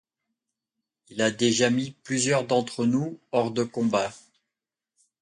Il a déjà mis plusieurs d'entre nous hors de combat.